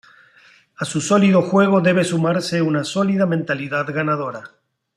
A su sólido juego debe sumarse una sólida mentalidad ganadora.